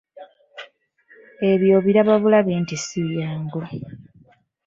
Ebyo obiraba bulabi nti si byangu.